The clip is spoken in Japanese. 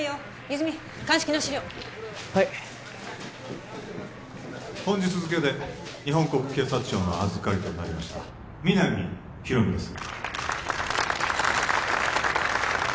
泉鑑識の資料はい本日付で日本国警察庁の預かりとなりました皆実広見です